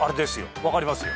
分かりますよ。